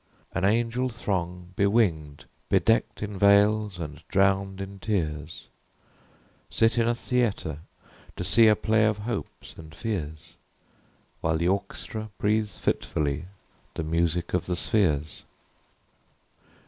An angel throng, bewinged, bedight In veils, and drowned in tears, Sit in a theatre, to see A play of hopes and fears, While the orchestra breathes fitfully The music of the spheres.